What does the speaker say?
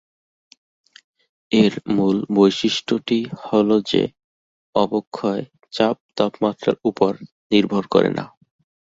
এর মূল বৈশিষ্ট্যটি হ'ল যে, অবক্ষয় চাপ তাপমাত্রার উপর নির্ভর করে না।